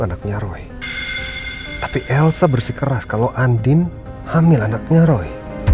anaknya roy tapi elsa bersikeras kalau andin hamil anaknya roy